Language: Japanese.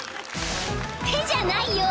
［手じゃないよ！］